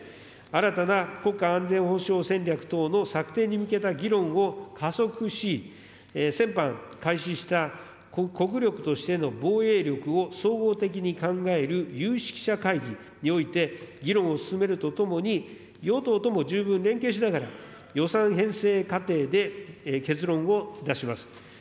新たな国家安全保障戦略等の策定に向けた議論を加速し、先般開始した国力としての防衛力を総合的に考える有識者会議において、議論を進めるとともに、与党とも十分連携しながら、予算編成過程で結論を出します。